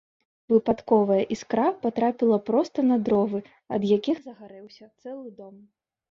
Выпадковая іскра патрапіла проста на дровы, ад якіх загарэўся цэлы дом.